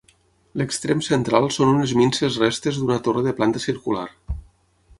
L'extrem central són unes minses restes d'una torre de planta circular.